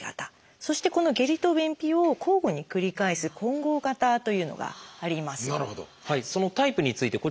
そしてこの下痢と便秘を交互に繰り返す「混合型」というのがあります。